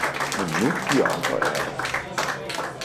Men nu de andre ærter!